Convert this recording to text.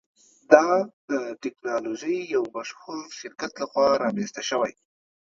دا د ټیکنالوژۍ یو مشهور شرکت لخوا رامینځته شوی.